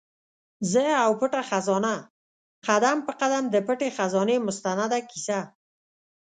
زه او پټه خزانه؛ قدم په قدم د پټي خزانې مستنده کیسه